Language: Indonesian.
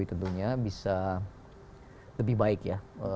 pak jokowi tentunya bisa lebih baik ya